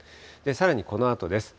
さらにこのあとです。